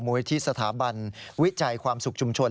มศวิจัยความสุขชุมชน